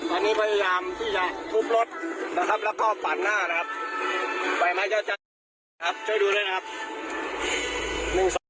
อันนี้พยายามที่จะทุบรถนะครับแล้วก็ปั่นหน้านะครับปล่อยมาเจ้าที่ครับช่วยดูด้วยนะครับ